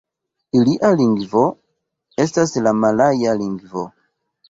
Ilia lingvo estas la malaja lingvo.